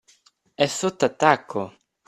È sotto attacco.